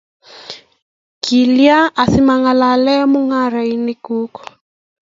kilyan asimeng'alalen mung'arenik kuk?